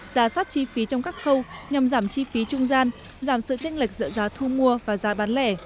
giả soát chi phí trong các khâu nhằm giảm chi phí trung gian giảm sự tranh lệch giữa giá thu mua và giá bán lẻ